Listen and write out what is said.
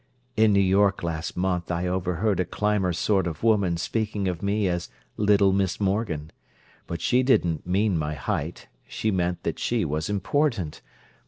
In New York last month I overheard a climber sort of woman speaking of me as 'little Miss Morgan,' but she didn't mean my height; she meant that she was important.